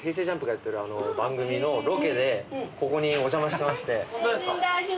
ＪＵＭＰがやってる番組のロケでここにお邪魔してまして。